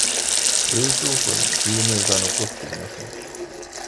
冷蔵庫に牛乳が残っていません。